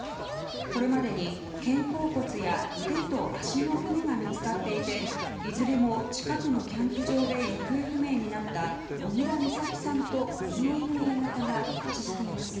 これまでに肩甲骨や腕と足の骨が見つかっていていずれも近くのキャンプ場で行方不明になった小倉美咲さんとＤＮＡ型が一致しています。